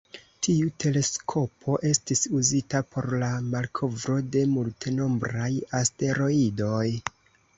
Tiu teleskopo estis uzita por la malkovro de multenombraj asteroidoj.